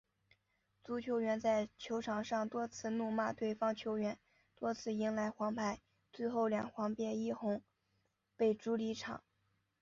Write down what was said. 足球员在球场上多次怒骂对方球员，多次迎来黄牌，最后两黄变一红，被逐离场。